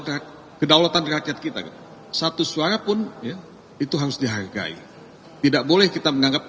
terima kasih kedaulatan rakyat kita satu suara pun ya itu harus dihargai tidak boleh kita menganggap